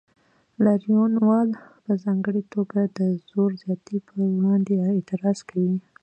لاریونوال په ځانګړې توګه د زور زیاتي پر وړاندې اعتراض کوي.